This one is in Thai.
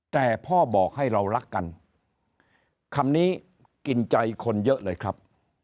แต่พ่อบอกให้เรารักกันคำนี้กินใจคนเยอะเลยครับ